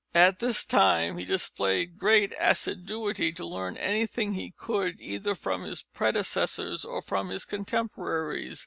At this time he displayed great assiduity to learn anything he could either from his predecessors or from his contemporaries.